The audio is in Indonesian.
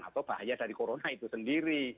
atau bahaya dari corona itu sendiri